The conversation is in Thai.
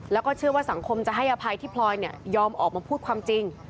แล้วก็เชื่อว่าสังคมจะให้อภัยที่พลอยยอมออกมาพูดความจริง